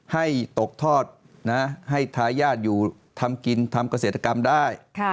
ให้ตกทอดให้ทายาทอยู่ทำกินทำเกษตรกรรมได้